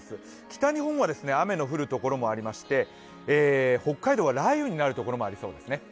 北日本は雨の降るところもありまして、北海道は雷雨になるところもありそうです。